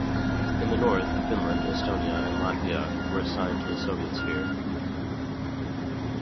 In the north, Finland, Estonia and Latvia were assigned to the Soviet sphere.